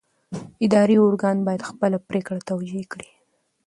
اداري ارګان باید خپله پرېکړه توجیه کړي.